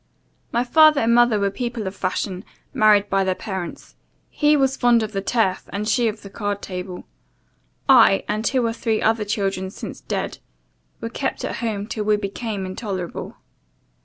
"My father and mother were people of fashion; married by their parents. He was fond of the turf, she of the card table. I, and two or three other children since dead, were kept at home till we became intolerable.